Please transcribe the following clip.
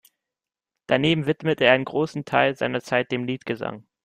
Daneben widmet er einen großen Teil seiner Zeit dem Liedgesang.